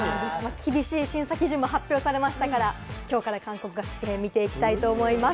厳しい審査基準も発表されましたから、きょうから韓国合宿編を見ていきたいと思います。